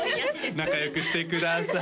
仲良くしてください